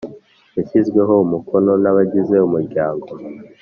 Yashyizweho umukono n abagize Umuryango